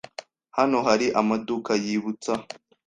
Hano hari amaduka yibutsa?